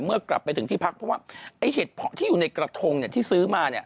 เมื่อกลับไปถึงที่พักเพราะว่าไอ้เห็ดเพาะที่อยู่ในกระทงที่ซื้อมาเนี่ย